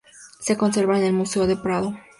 Se conserva en el Museo del Prado.